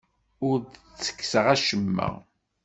Ur d-ttekkseɣ acemma.